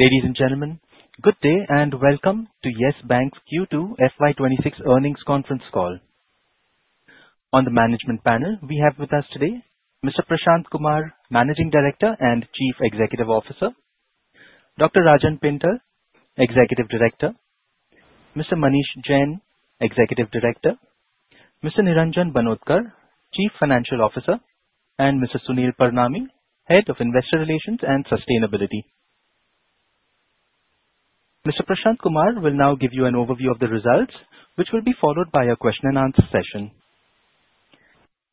Ladies and gentlemen, good day and welcome to YES BANK's Q2 FY26 earnings conference call. On the management panel, we have with us today: Mr. Prashant Kumar, Managing Director and Chief Executive Officer, Dr. Rajan Pental, Executive Director, Mr. Manish Jain, Executive Director, Mr. Niranjan Banodkar, Chief Financial Officer, and Mr. Sunil Parnami, Head of Investor Relations and Sustainability. Mr. Prashant Kumar will now give you an overview of the results, which will be followed by a question-and-answer session.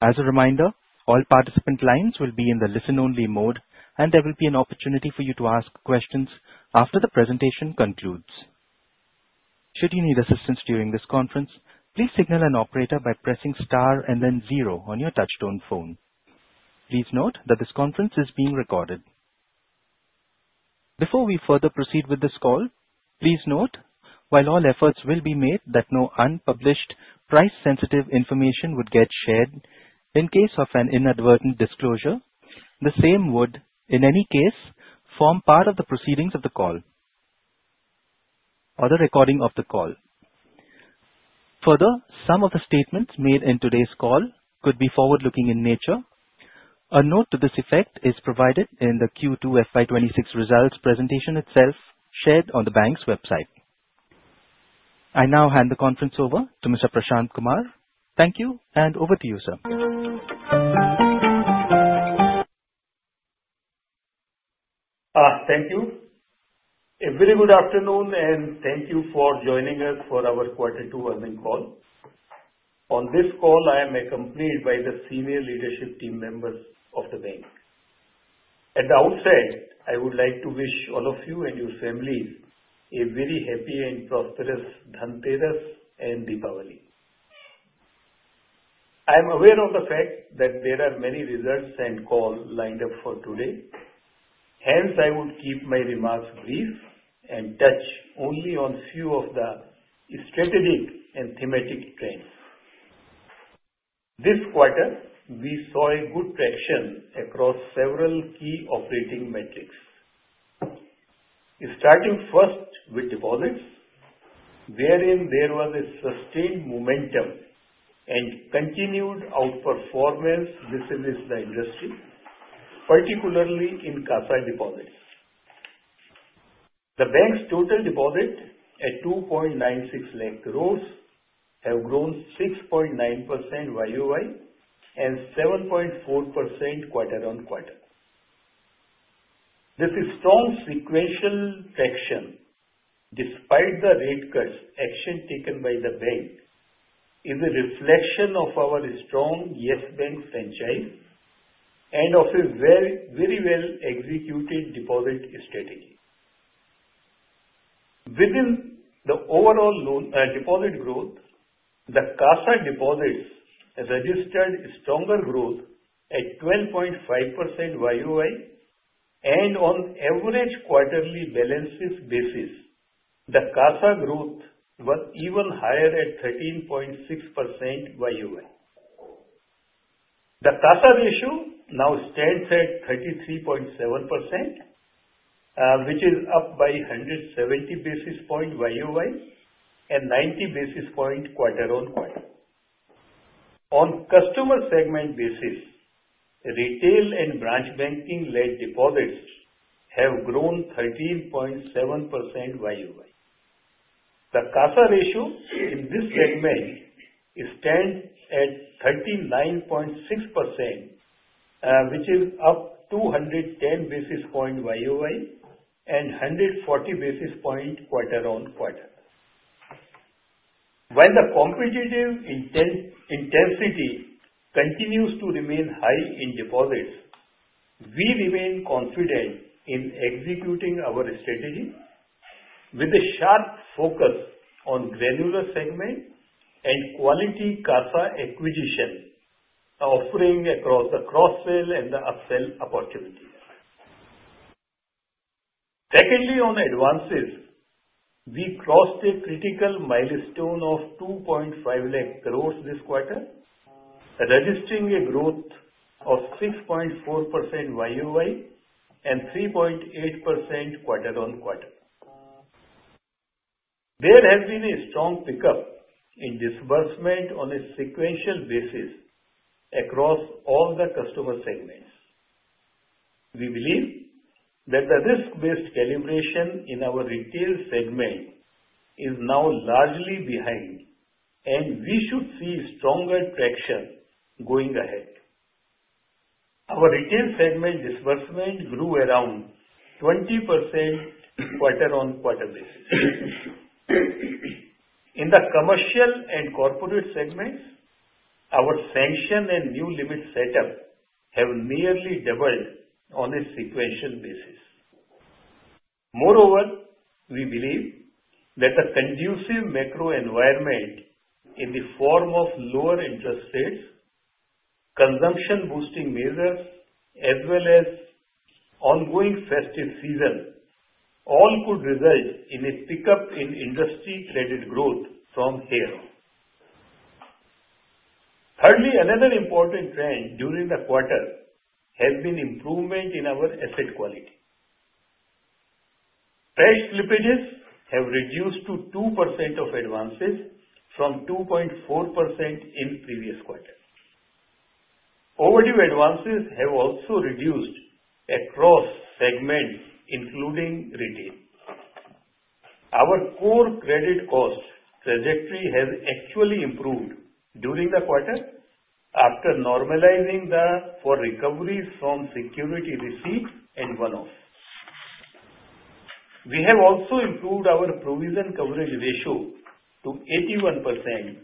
As a reminder, all participant lines will be in the listen-only mode, and there will be an opportunity for you to ask questions after the presentation concludes. Should you need assistance during this conference, please signal an operator by pressing star and then zero on your touch-tone phone. Please note that this conference is being recorded. Before we further proceed with this call, please note, while all efforts will be made, that no unpublished, price-sensitive information would get shared in case of an inadvertent disclosure. The same would, in any case, form part of the proceedings of the call or the recording of the call. Further, some of the statements made in today's call could be forward-looking in nature. A note to this effect is provided in the Q2 FY 2026 results presentation itself, shared on the bank's website. I now hand the conference over to Mr. Prashant Kumar. Thank you, and over to you, sir. Thank you. A very good afternoon, and thank you for joining us for our quarter two earnings call. On this call, I am accompanied by the senior leadership team members of the bank. At the outset, I would like to wish all of you and your families a very happy and prosperous Dhanteras and Deepavali. I am aware of the fact that there are many results and calls lined up for today. Hence, I would keep my remarks brief and touch only on a few of the strategic and thematic trends. This quarter, we saw a good traction across several key operating metrics, starting first with deposits, wherein there was a sustained momentum and continued outperformance within the industry, particularly in CASA deposits. The bank's total deposits at 2.96 lakh crores have grown 6.9% YOY and 7.4% quarter-on-quarter. This strong sequential traction, despite the rate cuts action taken by the bank, is a reflection of our strong YES BANK franchise and of a very well-executed deposit strategy. Within the overall deposit growth, the CASA deposits registered stronger growth at 12.5% YOY, and on average quarterly balances basis, the CASA growth was even higher at 13.6% YOY. The CASA ratio now stands at 33.7%, which is up by 170 basis points YOY and 90 basis points quarter-on-quarter. On customer segment basis, retail and branch banking-led deposits have grown 13.7% YOY. The CASA ratio in this segment stands at 39.6%, which is up 210 basis points YOY and 140 basis points quarter-on-quarter. While the competitive intensity continues to remain high in deposits, we remain confident in executing our strategy with a sharp focus on granular segment and quality CASA acquisition, offering across the cross-sell and the upsell opportunities. Secondly, on advances, we crossed a critical milestone of 2.5 lakh crores this quarter, registering a growth of 6.4% YOY and 3.8% quarter-on-quarter. There has been a strong pickup in disbursement on a sequential basis across all the customer segments. We believe that the risk-based calibration in our retail segment is now largely behind, and we should see stronger traction going ahead. Our retail segment disbursement grew around 20% quarter-on-quarter basis. In the commercial and corporate segments, our sanction and new limit setup have nearly doubled on a sequential basis. Moreover, we believe that the conducive macro environment in the form of lower interest rates, consumption-boosting measures, as well as ongoing festive season, all could result in a pickup in industry credit growth from here on. Thirdly, another important trend during the quarter has been improvement in our asset quality. Fresh slippages have reduced to 2% of advances from 2.4% in previous quarter. Overdue advances have also reduced across segments, including retail. Our core credit cost trajectory has actually improved during the quarter after normalizing for recoveries from security receipts and one-offs. We have also improved our provision coverage ratio to 81%,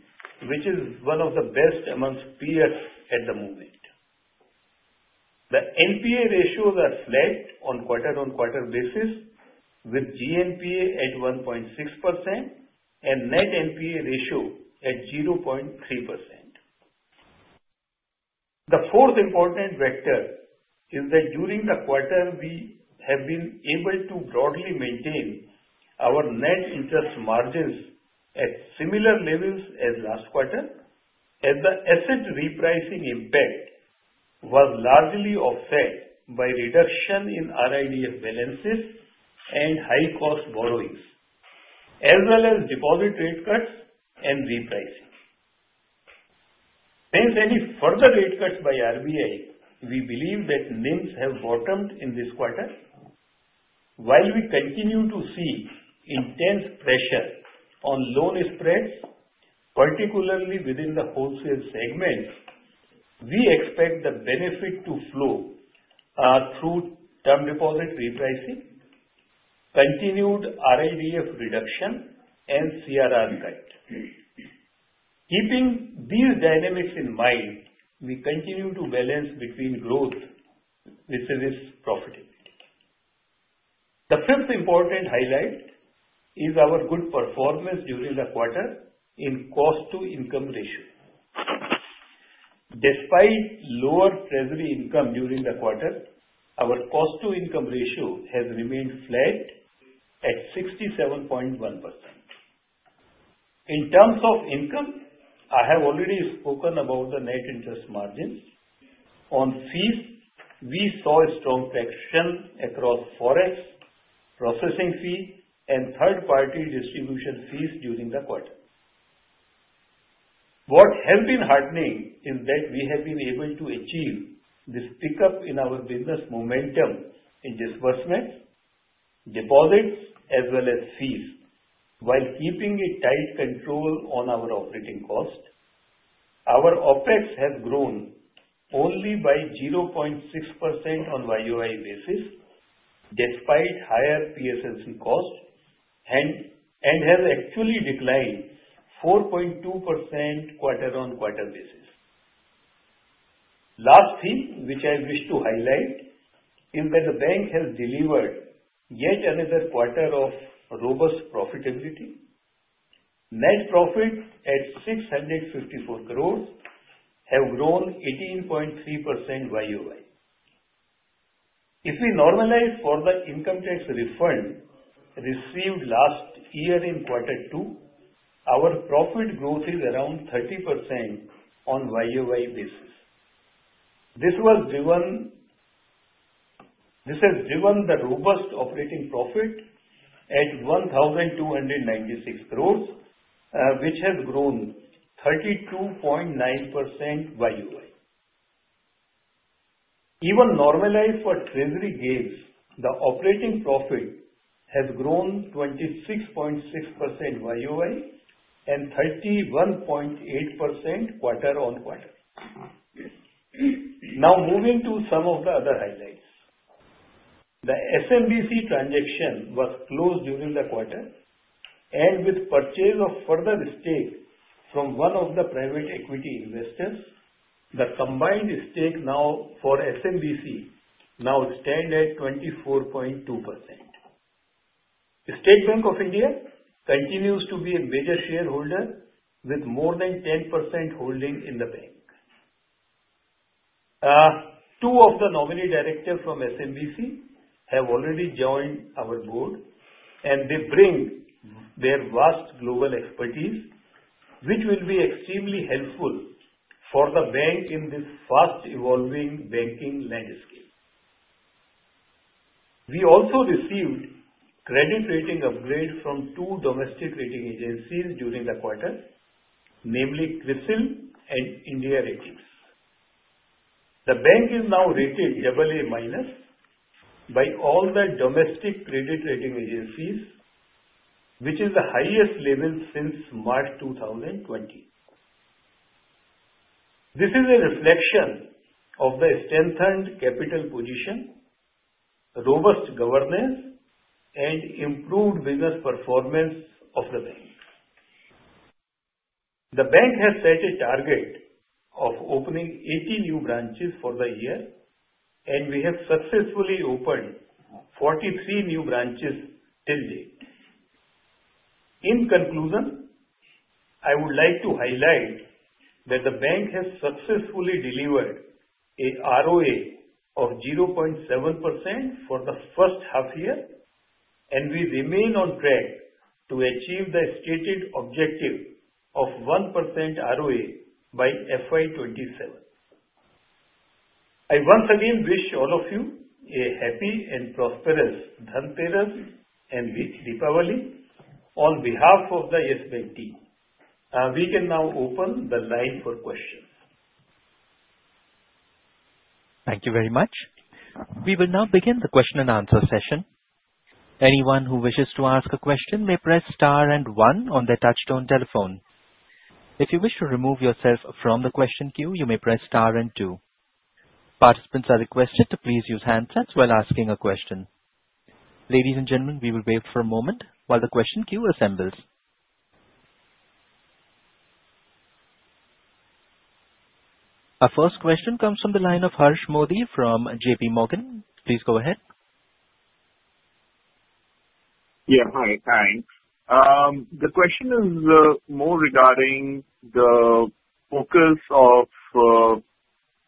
which is one of the best amongst peers at the moment. The NPA ratios are flat on quarter-on-quarter basis, with GNPA at 1.6% and net NPA ratio at 0.3%. The fourth important factor is that during the quarter, we have been able to broadly maintain our net interest margins at similar levels as last quarter, as the asset repricing impact was largely offset by reduction in RIDF balances and high-cost borrowings, as well as deposit rate cuts and repricing. Since any further rate cuts by RBI, we believe that NIMs have bottomed in this quarter. While we continue to see intense pressure on loan spreads, particularly within the wholesale segment, we expect the benefit to flow through term deposit repricing, continued RIDF reduction, and CRR cut. Keeping these dynamics in mind, we continue to balance between growth with profitability. The fifth important highlight is our good performance during the quarter in cost-to-income ratio. Despite lower treasury income during the quarter, our cost-to-income ratio has remained flat at 67.1%. In terms of income, I have already spoken about the net interest margins. On fees, we saw strong traction across forex, processing fee, and third-party distribution fees during the quarter. What has been heartening is that we have been able to achieve this pickup in our business momentum in disbursements, deposits, as well as fees, while keeping a tight control on our operating cost. Our OpEx has grown only by 0.6% on YOY basis, despite higher PSLC cost, and has actually declined 4.2% quarter-on-quarter basis. Lastly, which I wish to highlight, is that the bank has delivered yet another quarter of robust profitability. Net profits at 654 crores have grown 18.3% YOY. If we normalize for the income tax refund received last year in quarter two, our profit growth is around 30% on YOY basis. This has given the robust operating profit at 1,296 crores, which has grown 32.9% YOY. Even normalized for treasury gains, the operating profit has grown 26.6% YOY and 31.8% quarter-on-quarter. Now, moving to some of the other highlights. The SMBC transaction was closed during the quarter, and with purchase of further stake from one of the private equity investors, the combined stake for SMBC now stands at 24.2%. State Bank of India continues to be a major shareholder with more than 10% holding in the bank. Two of the nominee directors from SMBC have already joined our board, and they bring their vast global expertise, which will be extremely helpful for the bank in this fast-evolving banking landscape. We also received credit rating upgrade from two domestic rating agencies during the quarter, namely Crisil and India Ratings. The bank is now rated AA- by all the domestic credit rating agencies, which is the highest level since March 2020. This is a reflection of the strengthened capital position, robust governance, and improved business performance of the bank. The bank has set a target of opening 80 new branches for the year, and we have successfully opened 43 new branches to date. In conclusion, I would like to highlight that the bank has successfully delivered an ROA of 0.7% for the first half year, and we remain on track to achieve the stated objective of 1% ROA by FY 2027. I once again wish all of you a happy and prosperous Dhanteras and Deepavali on behalf of the YES BANK team. We can now open the line for questions. Thank you very much. We will now begin the question and answer session. Anyone who wishes to ask a question may press star and one on their touch-tone telephone. If you wish to remove yourself from the question queue, you may press star and two. Participants are requested to please use handsets while asking a question. Ladies and gentlemen, we will wait for a moment while the question queue assembles. Our first question comes from the line of Harsh Modi from JPMorgan. Please go ahead. Yeah. Hi. Thanks. The question is more regarding the focus of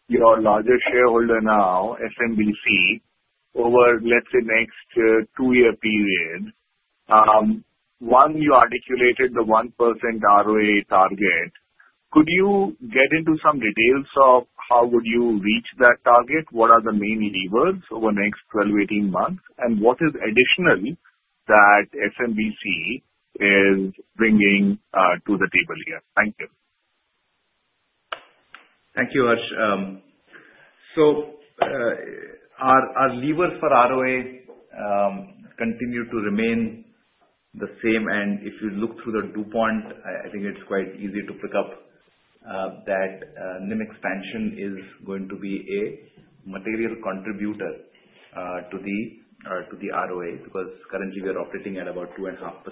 your larger shareholder now, SMBC, over, let's say, next two-year period. One, you articulated the 1% ROA target. Could you get into some details of how would you reach that target? What are the main levers over the next 12, 18 months? And what is additional that SMBC is bringing to the table here? Thank you. Thank you, Harsh. So our levers for ROA continue to remain the same. And if you look through the DuPont, I think it's quite easy to pick up that NIM expansion is going to be a material contributor to the ROA because currently, we are operating at about 2.5%,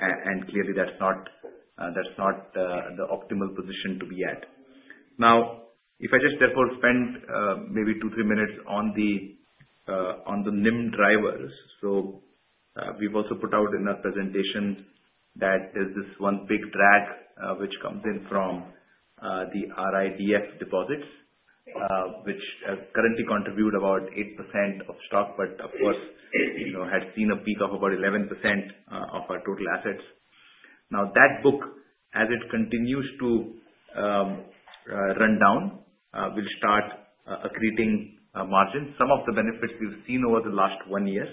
and clearly, that's not the optimal position to be at. Now, if I just therefore spend maybe two, three minutes on the NIM drivers, so we've also put out in our presentation that there's this one big drag which comes in from the RIDF deposits, which currently contribute about 8% of stock, but of course, had seen a peak of about 11% of our total assets. Now, that book, as it continues to run down, will start accreting margins, some of the benefits we've seen over the last one year.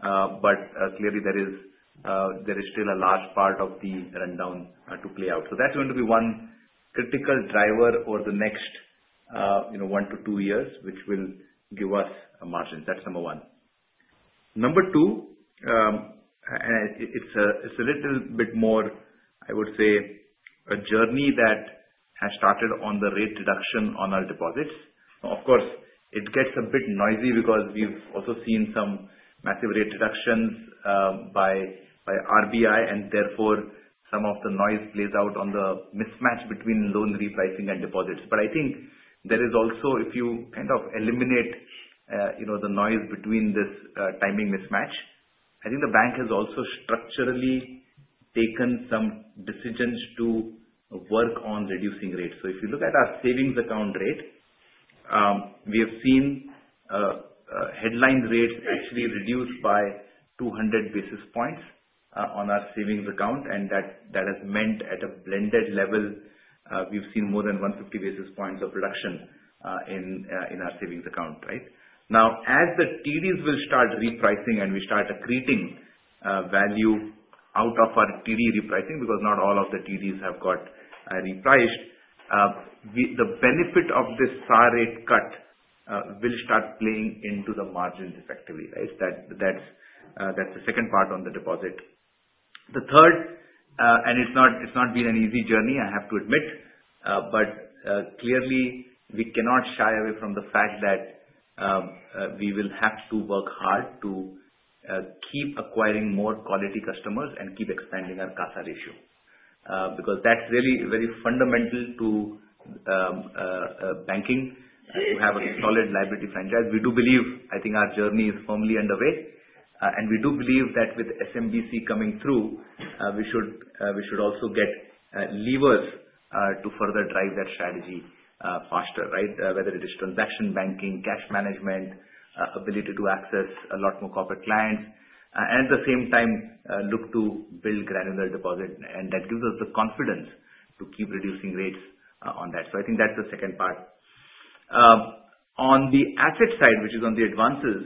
But clearly, there is still a large part of the rundown to play out. So that's going to be one critical driver over the next one to two years, which will give us margins. That's number one. Number two, it's a little bit more, I would say, a journey that has started on the rate reduction on our deposits. Of course, it gets a bit noisy because we've also seen some massive rate reductions by RBI, and therefore, some of the noise plays out on the mismatch between loan repricing and deposits. But I think there is also, if you kind of eliminate the noise between this timing mismatch, I think the bank has also structurally taken some decisions to work on reducing rates. So if you look at our savings account rate, we have seen headline rates actually reduced by 200 basis points on our savings account, and that has meant at a blended level, we've seen more than 150 basis points of reduction in our savings account, right? Now, as the TDs will start repricing and we start accreting value out of our TD repricing because not all of the TDs have got repriced, the benefit of this SA rate cut will start playing into the margins effectively, right? That's the second part on the deposit. The third, and it's not been an easy journey, I have to admit, but clearly, we cannot shy away from the fact that we will have to work hard to keep acquiring more quality customers and keep expanding our CASA ratio because that's really very fundamental to banking to have a solid liability franchise. We do believe, I think our journey is firmly underway, and we do believe that with SMBC coming through, we should also get levers to further drive that strategy faster, right? Whether it is transaction banking, cash management, ability to access a lot more corporate clients, and at the same time, look to build granular deposit, and that gives us the confidence to keep reducing rates on that. So I think that's the second part. On the asset side, which is on the advances,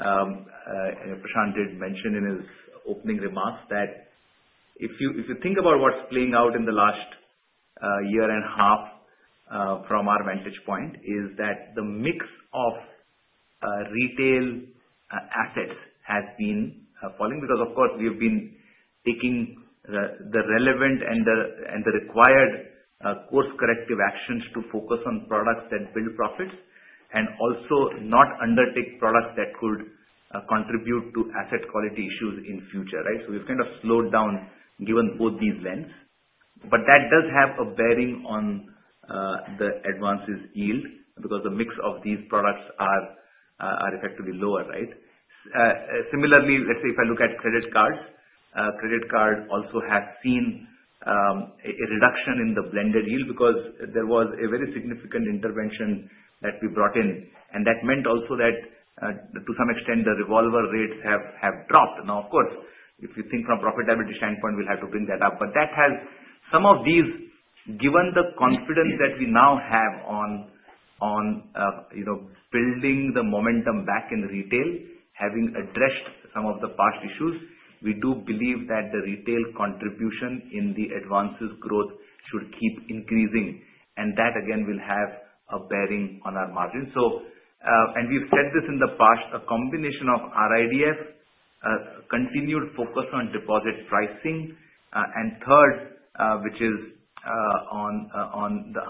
Prashant did mention in his opening remarks that if you think about what's playing out in the last year and a half from our vantage point, is that the mix of retail assets has been falling because, of course, we have been taking the relevant and the required course-corrective actions to focus on products that build profits and also not undertake products that could contribute to asset quality issues in future, right? So we've kind of slowed down given both these lens. But that does have a bearing on the advances yield because the mix of these products are effectively lower, right? Similarly, let's say if I look at credit cards, credit cards also have seen a reduction in the blended yield because there was a very significant intervention that we brought in, and that meant also that to some extent, the revolver rates have dropped. Now, of course, if you think from profitability standpoint, we'll have to bring that up. But that has some offsets given the confidence that we now have on building the momentum back in retail, having addressed some of the past issues, we do believe that the retail contribution in the advances growth should keep increasing, and that, again, will have a bearing on our margin, and we've said this in the past, a combination of RIDF, continued focus on deposit pricing, and third, which is on the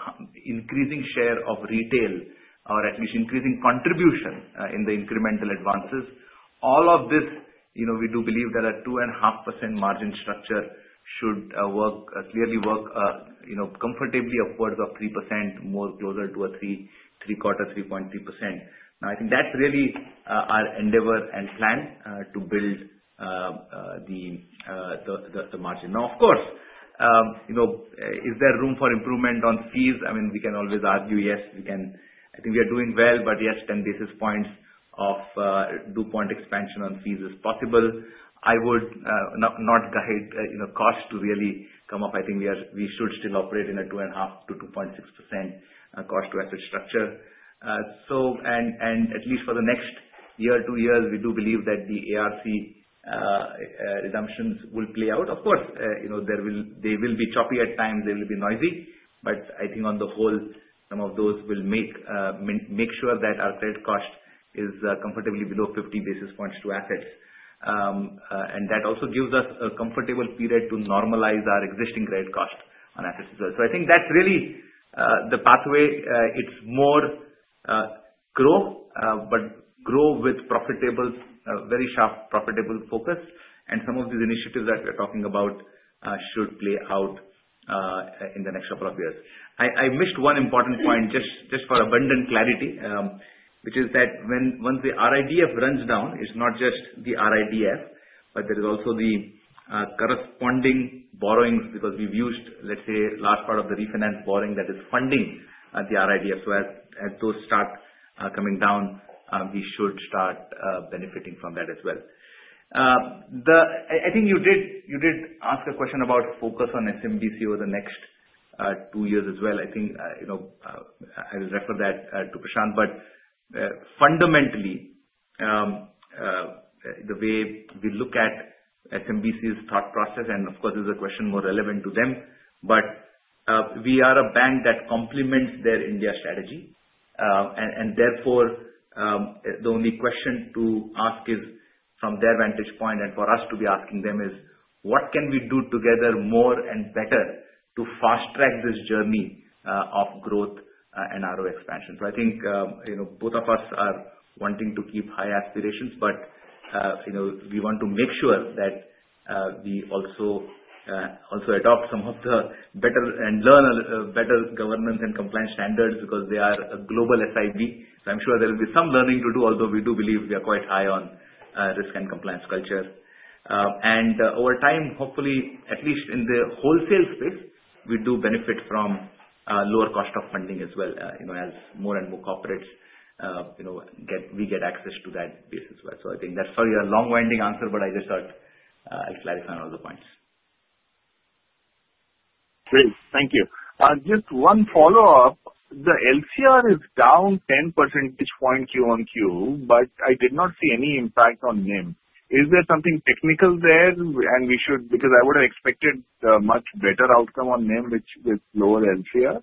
increasing share of retail or at least increasing contribution in the incremental advances. All of this, we do believe that a 2.5% margin structure should clearly work comfortably upwards of 3%, more closer to a 3.25, 3.3%. Now, I think that's really our endeavor and plan to build the margin. Now, of course, is there room for improvement on fees? I mean, we can always argue, yes, we can. I think we are doing well, but yes, 10 basis points of DuPont expansion on fees is possible. I would not guide cost to really come up. I think we should still operate in a 2.5%-2.6% cost-to-asset structure. And at least for the next year or two years, we do believe that the ARC redemptions will play out. Of course, they will be choppy at times. They will be noisy. But I think on the whole, some of those will make sure that our credit cost is comfortably below 50 basis points to assets. And that also gives us a comfortable period to normalize our existing credit cost on assets as well. So I think that's really the pathway. It's more grow, but grow with very sharp profitable focus. And some of these initiatives that we're talking about should play out in the next couple of years. I missed one important point just for abundant clarity, which is that once the RIDF runs down, it's not just the RIDF, but there is also the corresponding borrowings because we've used, let's say, a large part of the refinance borrowing that is funding the RIDF. So as those start coming down, we should start benefiting from that as well. I think you did ask a question about focus on SMBC over the next two years as well. I think I will refer that to Prashant, but fundamentally, the way we look at SMBC's thought process, and of course, this is a question more relevant to them, but we are a bank that complements their India strategy, and therefore, the only question to ask is from their vantage point and for us to be asking them is, what can we do together more and better to fast-track this journey of growth and ROA expansion, so I think both of us are wanting to keep high aspirations, but we want to make sure that we also adopt some of the better and learn better governance and compliance standards because they are a global SIB. So I'm sure there will be some learning to do, although we do believe we are quite high on risk and compliance culture. And over time, hopefully, at least in the wholesale space, we do benefit from lower cost of funding as well as more and more corporates. We get access to that basis well. So I think that's probably a long-winded answer, but I just thought I'll clarify on all the points. Great. Thank you. Just one follow-up. The LCR is down 10 percentage points Q on Q, but I did not see any impact on NIM. Is there something technical there? And because I would have expected a much better outcome on NIM with lower LCR?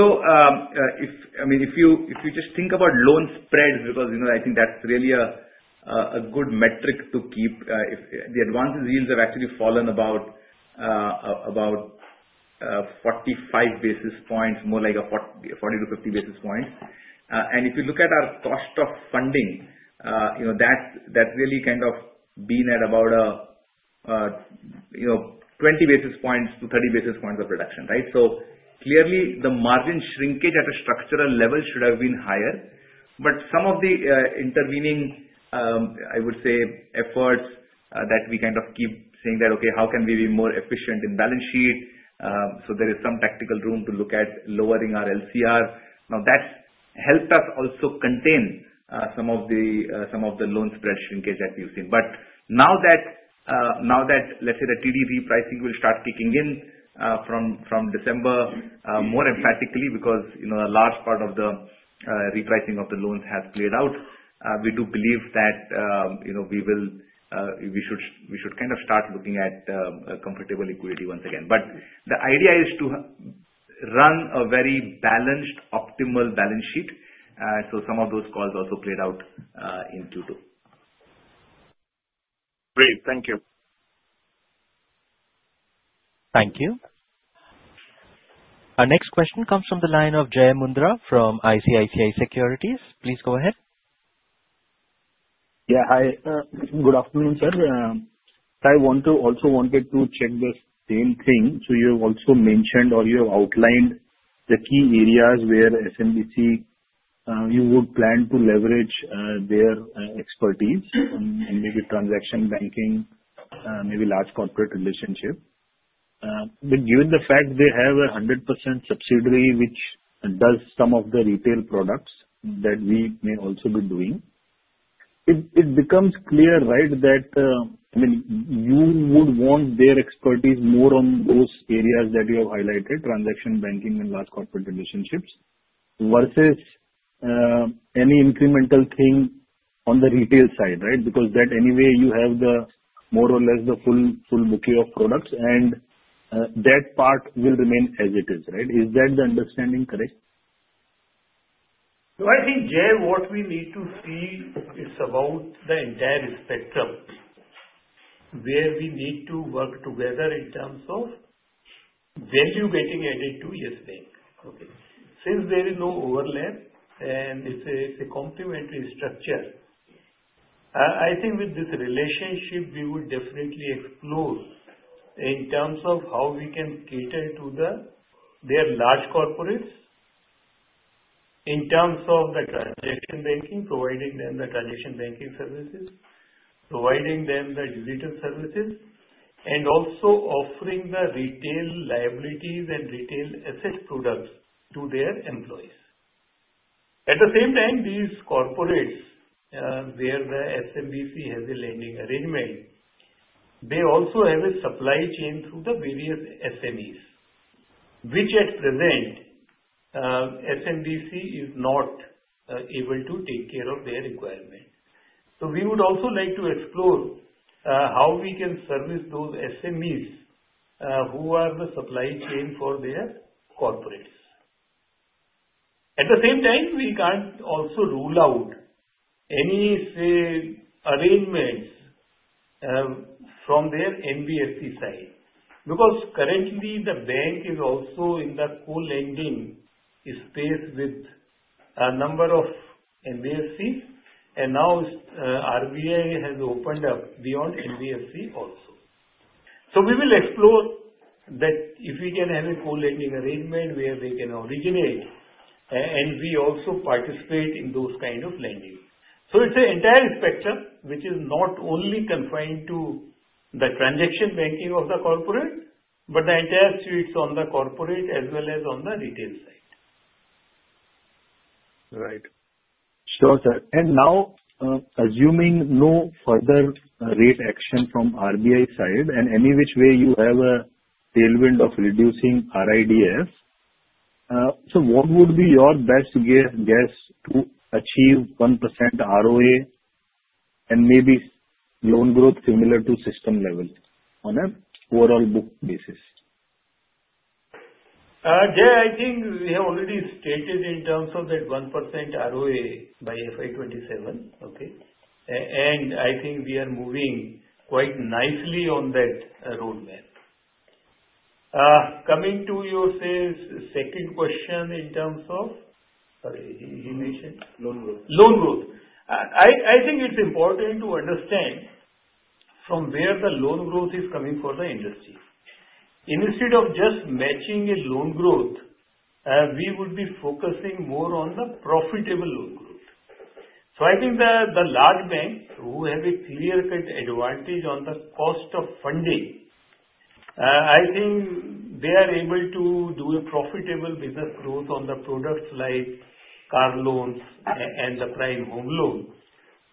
So I mean, if you just think about loan spreads because I think that's really a good metric to keep, the advances yields have actually fallen about 45 basis points, more like 40-50 basis points. And if you look at our cost of funding, that's really kind of been at about 20-30 basis points of reduction, right? So clearly, the margin shrinkage at a structural level should have been higher. But some of the intervening, I would say, efforts that we kind of keep saying that, okay, how can we be more efficient in balance sheet? So there is some tactical room to look at lowering our LCR. Now, that's helped us also contain some of the loan spread shrinkage that we've seen. But now that, let's say, the TD repricing will start kicking in from December more emphatically because a large part of the repricing of the loans has played out, we do believe that we should kind of start looking at comfortable equity once again. But the idea is to run a very balanced, optimal balance sheet. So some of those calls also played out in Q2. Great. Thank you. Thank you. Our next question comes from the line of Jai Mundra from ICICI Securities. Please go ahead. Yeah. Hi. Good afternoon, sir. I also wanted to check the same thing. So you have also mentioned or you have outlined the key areas where SMBC, you would plan to leverage their expertise in maybe transaction banking, maybe large corporate relationship. But given the fact they have a 100% subsidiary which does some of the retail products that we may also be doing, it becomes clear, right, that I mean, you would want their expertise more on those areas that you have highlighted, transaction banking and large corporate relationships versus any incremental thing on the retail side, right? Because that anyway, you have more or less the full booking of products, and that part will remain as it is, right? Is that the understanding correct? So I think, Jai, what we need to see is about the entire spectrum where we need to work together in terms of value getting added to YES BANK. Okay. Since there is no overlap and it's a complementary structure, I think with this relationship, we would definitely explore in terms of how we can cater to their large corporates in terms of the transaction banking, providing them the transaction banking services, providing them the digital services, and also offering the retail liabilities and retail asset products to their employees. At the same time, these corporates where the SMBC has a lending arrangement, they also have a supply chain through the various SMEs, which at present, SMBC is not able to take care of their requirement. So we would also like to explore how we can service those SMEs who are the supply chain for their corporates. At the same time, we can't also rule out any, say, arrangements from their NBFC side because currently, the bank is also in the co-lending space with a number of NBFCs, and now RBI has opened up beyond NBFC also. So we will explore that if we can have a co-lending arrangement where they can originate, and we also participate in those kind of lending. So it's an entire spectrum which is not only confined to the transaction banking of the corporate, but the entire suite is on the corporate as well as on the retail side. Right. Sure, sir. And now, assuming no further rate action from RBI side and any which way you have a tailwind of reducing RIDF, so what would be your best guess to achieve 1% ROA and maybe loan growth similar to system level on an overall book basis? Jai, I think we have already stated in terms of that 1% ROA by FY 2027, okay? And I think we are moving quite nicely on that roadmap. Coming to your second question in terms of, sorry, he mentioned? Loan growth. Loan growth. I think it's important to understand from where the loan growth is coming for the industry. Instead of just matching a loan growth, we would be focusing more on the profitable loan growth. So I think the large bank who have a clear-cut advantage on the cost of funding, I think they are able to do a profitable business growth on the products like car loans and the prime home loans.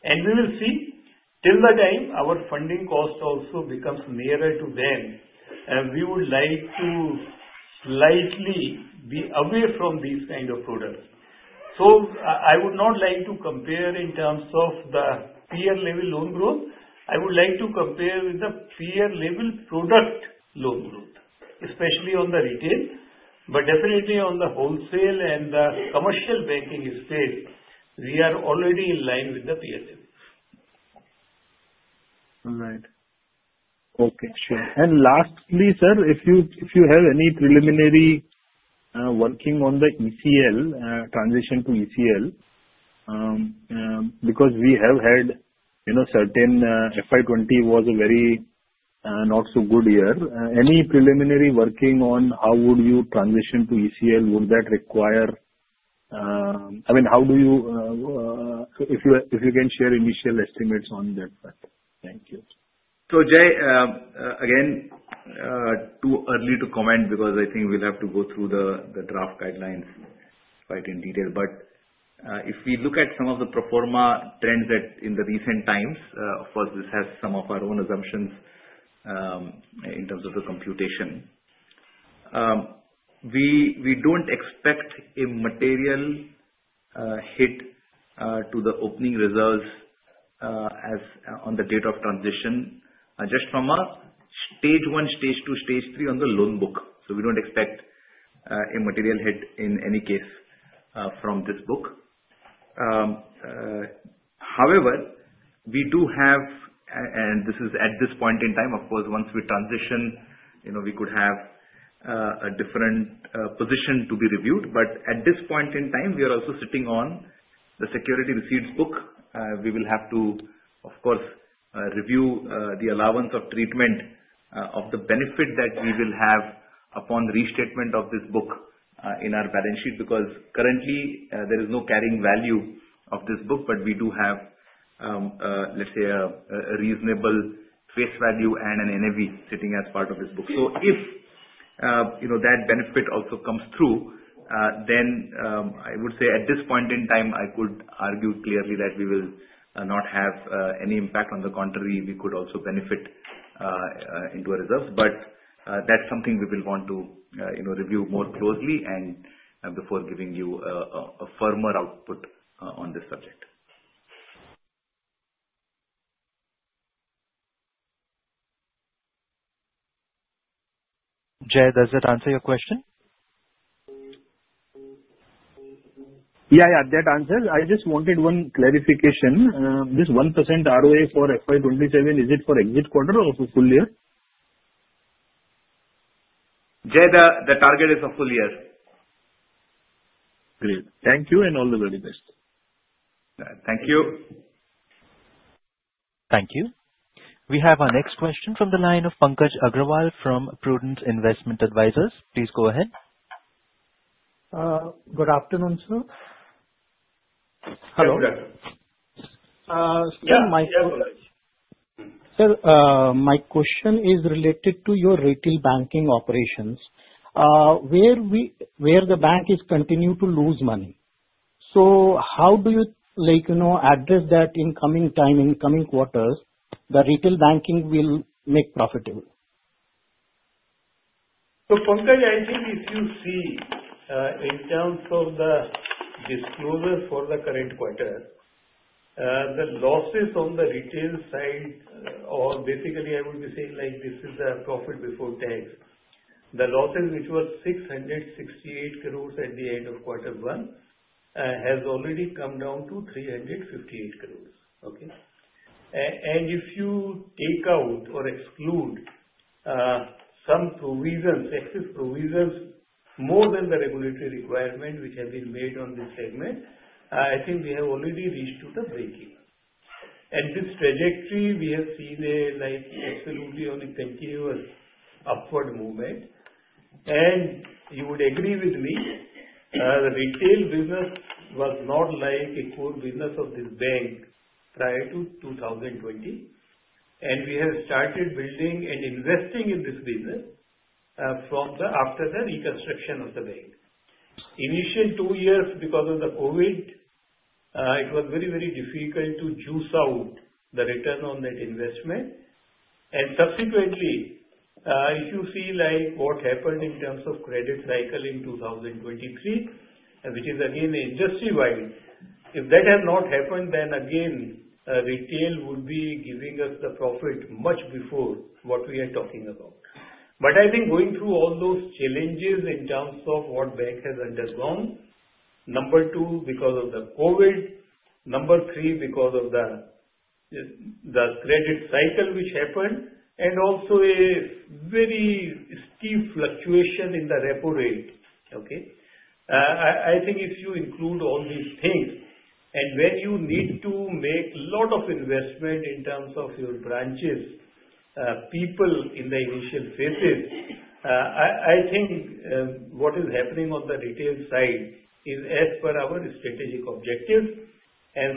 And we will see. Till the time, our funding cost also becomes nearer to them. We would like to slightly be away from these kind of products. So I would not like to compare in terms of the tier-level loan growth. I would like to compare with the tier-level product loan growth, especially on the retail. But definitely on the wholesale and the commercial banking space, we are already in line with the tier-level. Right. Okay. Sure. And lastly, sir, if you have any preliminary working on the ECL, transition to ECL, because we have had certain FY 2020 was a very not-so-good year, any preliminary working on how would you transition to ECL? Would that require, I mean, how do you, if you can share initial estimates on that part? Thank you. So Jai, again, too early to comment because I think we'll have to go through the draft guidelines quite in detail. But if we look at some of the pro forma trends in the recent times, of course, this has some of our own assumptions in terms of the computation. We don't expect a material hit to the opening results on the date of transition just from a stage one, stage two, stage three on the loan book. So we don't expect a material hit in any case from this book. However, we do have, and this is at this point in time, of course, once we transition, we could have a different position to be reviewed. But at this point in time, we are also sitting on the security receipts book. We will have to, of course, review the allowance of treatment of the benefit that we will have upon restatement of this book in our balance sheet because currently, there is no carrying value of this book, but we do have, let's say, a reasonable face value and an NAV sitting as part of this book. So if that benefit also comes through, then I would say at this point in time, I could argue clearly that we will not have any impact. On the contrary, we could also benefit into our reserves. But that's something we will want to review more closely before giving you a firmer output on this subject. Jai, does that answer your question? Yeah, yeah. That answers. I just wanted one clarification. This 1% ROA for FY 2027, is it for exit quarter or for full year? Jai, the target is for full year. Great. Thank you and all the very best. Thank you. Thank you. We have our next question from the line of Pankaj Agrawal from Prudence Investment Advisors. Please go ahead. Good afternoon, sir. Hello. Sir, my question is related to your retail banking operations where the bank is continuing to lose money. So how do you address that in coming time, in coming quarters, the retail banking will make profitable? So Pankaj, I think if you see in terms of the disclosure for the current quarter, the losses on the retail side, or basically, I would be saying this is the profit before tax. The losses, which were 668 crores at the end of quarter one, have already come down to 358 crores. Okay? And if you take out or exclude some provisions, excess provisions more than the regulatory requirement which have been made on this segment, I think we have already reached to the breakeven. And this trajectory, we have seen an absolutely continuous upward movement. And you would agree with me, the retail business was not like a core business of this bank prior to 2020. And we have started building and investing in this business after the reconstruction of the bank. Initial two years because of the COVID, it was very, very difficult to juice out the return on that investment, and subsequently, if you see what happened in terms of credit cycle in 2023, which is again industry-wide, if that had not happened, then again, retail would be giving us the profit much before what we are talking about, but I think going through all those challenges in terms of what bank has undergone, number two, because of the COVID, number three, because of the credit cycle which happened, and also a very steep fluctuation in the repo rate. Okay? I think if you include all these things, and when you need to make a lot of investment in terms of your branches, people in the initial phases, I think what is happening on the retail side is as per our strategic objective.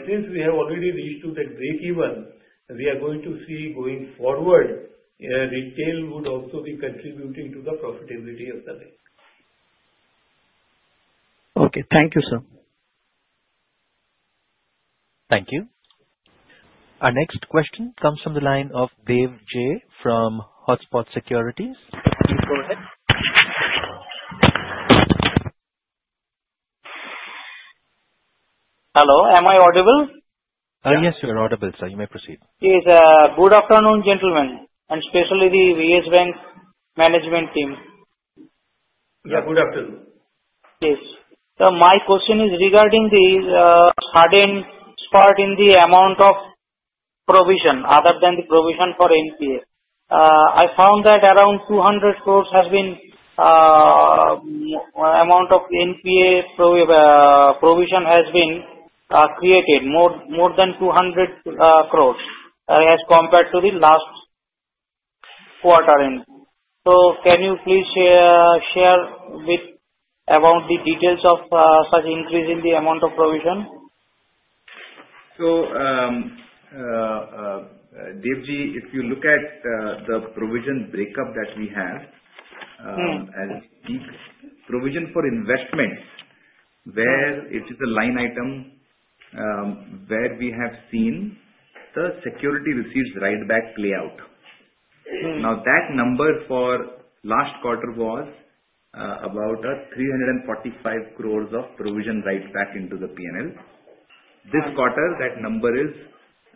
Since we have already reached to that breakeven, we are going to see going forward, retail would also be contributing to the profitability of the bank. Okay. Thank you, sir. Thank you. Our next question comes from the line of Dev J. from Hotspot Securities. Hello. Am I audible? Yes, you're audible, sir. You may proceed. Yes. Good afternoon, gentlemen, and especially the YES BANK management team. Yeah, good afternoon. Yes. So my question is regarding the sudden spurt in the amount of provision other than the provision for NPA. I found that around 200 crores has been amount of NPA provision has been created, more than 200 crores as compared to the last quarter. So can you please share about the details of such increase in the amount of provision? So, Dev J, if you look at the provision breakup that we have as provision for investment, where it is a line item where we have seen the security receipts write-back play out. Now, that number for last quarter was about 345 crores of provision write-back into the P&L. This quarter, that number is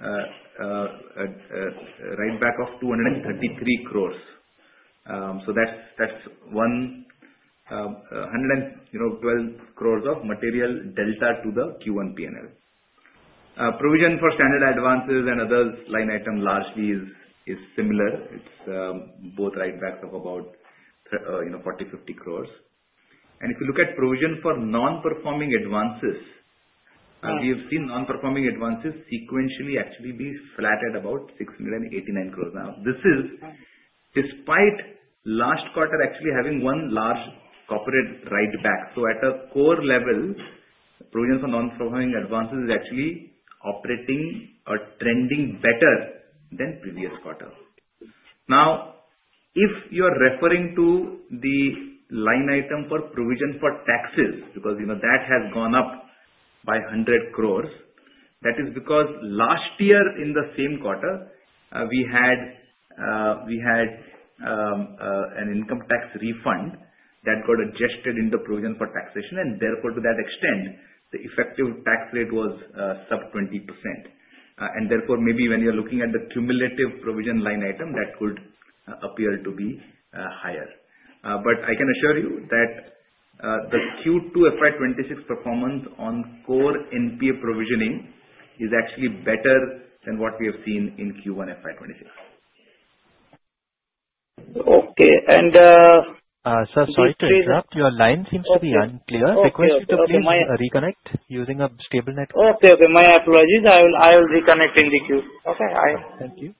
write-back of 233 crores. So that's 112 crores of material delta to the Q1 P&L. Provision for standard advances and others line item largely is similar. It's both write-backs of about 40-50 crores. And if you look at provision for non-performing advances, we have seen non-performing advances sequentially actually be flat at about 689 crores. Now, this is despite last quarter actually having one large corporate write-back. So at a core level, provision for non-performing advances is actually operating or trending better than previous quarter. Now, if you are referring to the line item for provision for taxes because that has gone up by 100 crores, that is because last year in the same quarter, we had an income tax refund that got adjusted in the provision for taxation, and therefore, to that extent, the effective tax rate was sub 20%. Therefore, maybe when you're looking at the cumulative provision line item, that could appear to be higher, but I can assure you that the Q2 FY 2026 performance on core NPA provisioning is actually better than what we have seen in Q1 FY 2026. Okay. And. Sir, sorry to interrupt. Your line seems to be unclear. Sequentially, please reconnect using a stable network. Okay, okay. My apologies. I will reconnect in the queue. Okay. Thank you.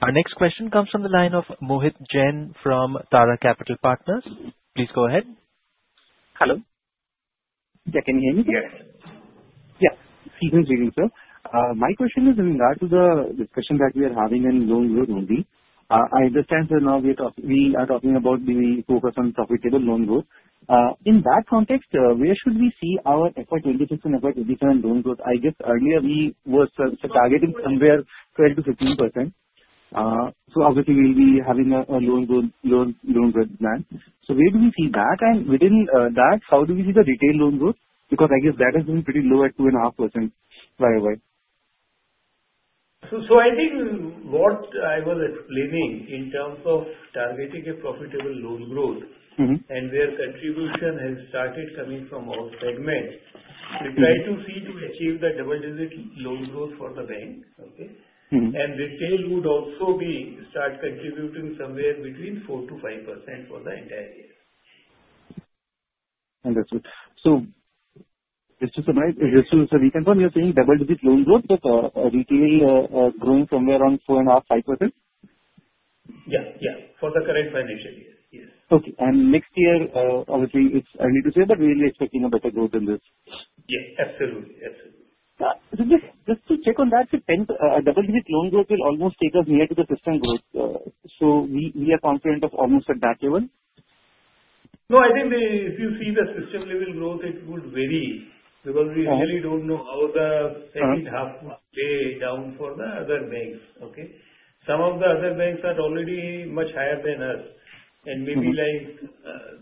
Our next question comes from the line of Mohit Jain from Tara Capital Partners. Please go ahead. Hello. Yeah, can you hear me? Yes. Yes. Season's greetings, sir. My question is in regard to the discussion that we are having in loan growth only. I understand, sir, now we are talking about the focus on profitable loan growth. In that context, where should we see our FY 2026 and FY 2027 loan growth? I guess earlier we were targeting somewhere 12%-15%. So obviously, we'll be having a loan growth plan. So where do we see that? And within that, how do we see the retail loan growth? Because I guess that has been pretty low at 2.5% for a while. So I think what I was explaining in terms of targeting a profitable loan growth and where contribution has started coming from all segments, we try to see to achieve the double-digit loan growth for the bank. Okay? And retail would also be start contributing somewhere between 4%-5% for the entire year. Understood. So just to summarize, so we confirm you're saying double-digit loan growth with retail growing somewhere around 4.5%-5%? Yeah, yeah. For the current financial year, yes. Okay. And next year, obviously, it's early to say, but we're expecting a better growth than this? Yes. Absolutely. Absolutely. Just to check on that, double-digit loan growth will almost take us near to the system growth. So we are confident of almost at that level? No, I think if you see the system level growth, it would vary because we really don't know how the second half will play out for the other banks. Okay? Some of the other banks are already much higher than us, and maybe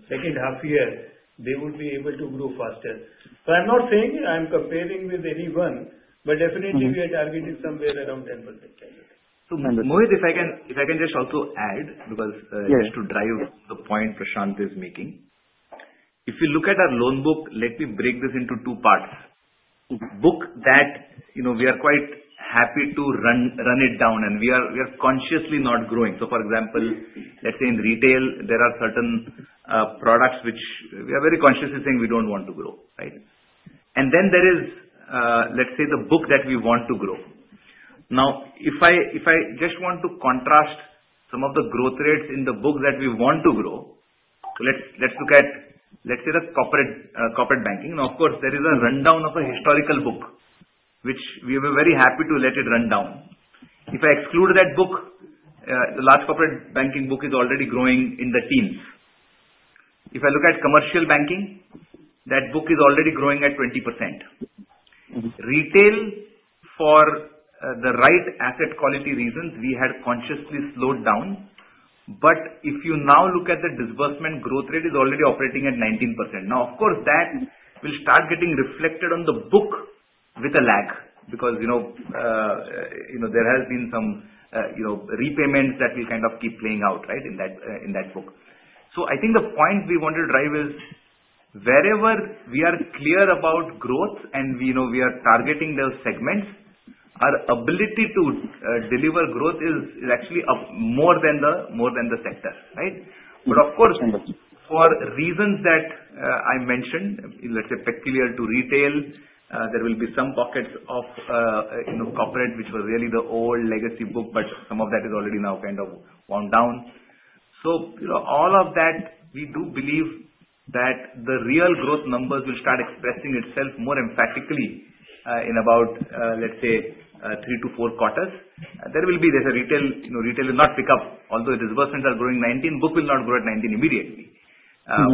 second half year, they would be able to grow faster, so I'm not saying I'm comparing with anyone, but definitely, we are targeting somewhere around 10%. Mohit, if I can just also add, because just to drive the point Prashant is making, if you look at our loan book, let me break this into two parts. book that we are quite happy to run it down, and we are consciously not growing. So for example, let's say in retail, there are certain products which we are very consciously saying we don't want to grow, right? and then there is, let's say, the book that we want to grow. Now, if I just want to contrast some of the growth rates in the book that we want to grow, let's look at, let's say, the corporate banking. Now, of course, there is a rundown of a historical book, which we were very happy to let it run down. If I exclude that book, the large corporate banking book is already growing in the teens. If I look at commercial banking, that book is already growing at 20%. Retail, for the right asset quality reasons, we had consciously slowed down. But if you now look at the disbursement growth rate, it is already operating at 19%. Now, of course, that will start getting reflected on the book with a lag because there has been some repayments that will kind of keep playing out, right, in that book. So I think the point we want to drive is wherever we are clear about growth and we are targeting those segments, our ability to deliver growth is actually more than the sector, right? But of course, for reasons that I mentioned, let's say peculiar to retail, there will be some pockets of corporate which were really the old legacy book, but some of that is already now kind of wound down. So all of that, we do believe that the real growth numbers will start expressing itself more emphatically in about, let's say, three to four quarters. There will be there's a retail will not pick up. Although disbursements are growing 19%, book will not grow at 19% immediately.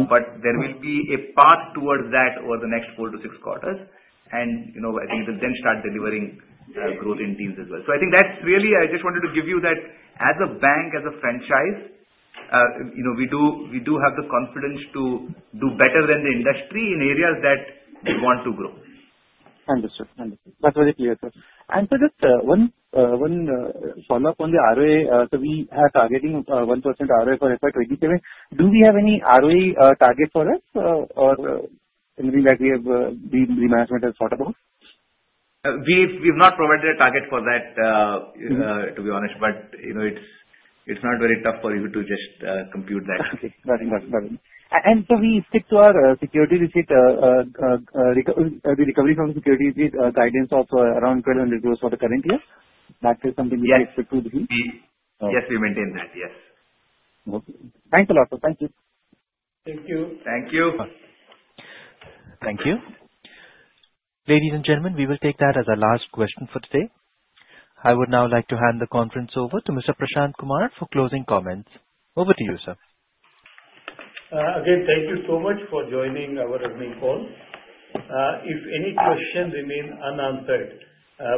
But there will be a path towards that over the next four to six quarters. And I think it will then start delivering growth in teens as well. So I think that's really. I just wanted to give you that as a bank, as a franchise, we do have the confidence to do better than the industry in areas that we want to grow. Understood. Understood. That's very clear, sir. And so just one follow-up on the ROA. So we are targeting 1% ROA for FY 2027. Do we have any ROE target for us or anything that the management has thought about? We have not provided a target for that, to be honest. But it's not very tough for you to just compute that. Okay. Got it. Got it. Got it. And so we stick to our security receipt recovery from the security receipt guidance of around INR 1,200 crores for the current year? That is something we expect it to be? Yes, we maintain that. Yes. Okay. Thanks a lot, sir. Thank you. Thank you. Thank you. Thank you. Ladies and gentlemen, we will take that as our last question for today. I would now like to hand the conference over to Mr. Prashant Kumar for closing comments. Over to you, sir. Again, thank you so much for joining our evening call. If any questions remain unanswered,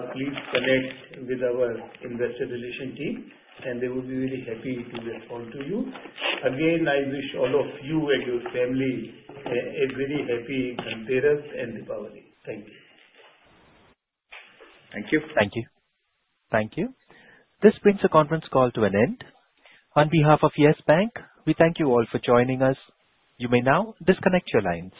please connect with our Investor Relations team, and they will be very happy to respond to you. Again, I wish all of you and your family a very happy Dhanteras and Deepavali. Thank you. Thank you. Thank you. Thank you. This brings the conference call to an end. On behalf of YES BANK, we thank you all for joining us. You may now disconnect your lines.